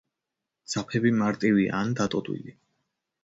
ძაფები მარტივია ან დატოტვილი.